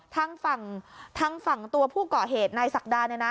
ทางฝั่งตัวผู้เกาะเหตุนายศักดา